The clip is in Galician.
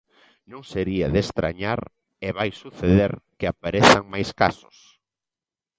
Non sería de estrañar, e vai suceder, que aparezan máis casos.